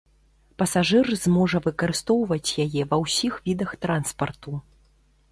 Пасажыр зможа выкарыстоўваць яе ва ўсіх відах транспарту.